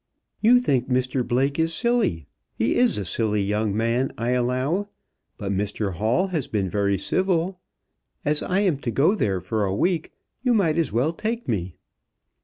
"You think Mr Blake is silly. He is a silly young man, I allow; but Mr Hall has been very civil. As I am to go there for a week, you might as well take me."